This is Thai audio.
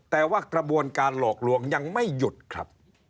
แต่ว่ากระบวนการหลอกลวงยังไม่หยุดครับ